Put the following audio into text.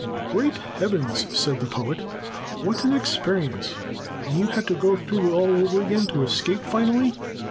"Great Heavens!" said the Poet. "What an experience. And you had to go through it all over again to escape finally?"